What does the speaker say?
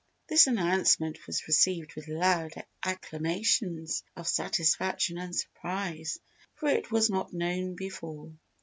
This announcement was received with loud acclamations of satisfaction and surprise, for it was not known before.